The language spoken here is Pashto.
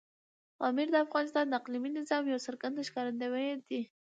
پامیر د افغانستان د اقلیمي نظام یو څرګند ښکارندوی دی.